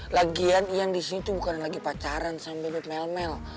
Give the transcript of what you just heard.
lagian ian disini tuh bukan lagi pacaran sama duduk mel mel